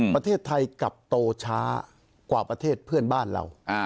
ประเทศไทยกลับโตช้ากว่าประเทศเพื่อนบ้านเรา